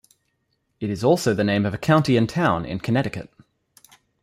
It is also the name of a county and town in Connecticut.